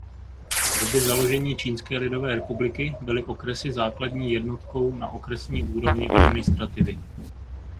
V době založení Čínské lidové republiky byly okresy základní jednotkou na okresní úrovni administrativy.